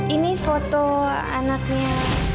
ini foto anaknya